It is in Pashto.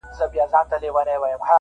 نور څه نه لرم خو ځان مي ترې قربان دی,